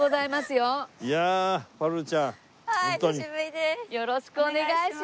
よろしくお願いします。